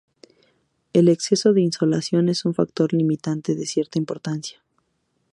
El exceso de insolación es un factor limitante de cierta importancia.